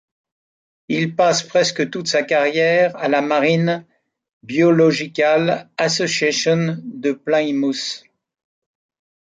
Il passe presque toute sa carrière à la Marine Biological Association de Plymouth.